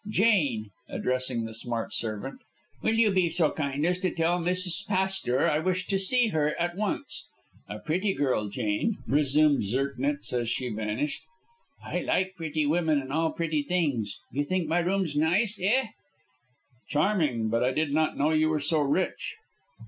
Jane," addressing the smart servant, "will you be so kind as to tell Mrs. Pastor I wish to see her at once. A pretty girl, Jane," resumed Zirknitz, as she vanished. "I like pretty women and all pretty things. You think my rooms nice, eh?" "Charming. But I did not know you were so rich."